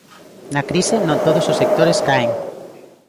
Na crise non todos os sectores caen.